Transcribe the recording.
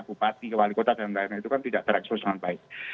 bupati wali kota dan lain lain itu kan tidak terekspos dengan baik